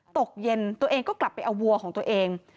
ตกเย็นตัวเองก็กลับไปเอาวัวของตัวเอง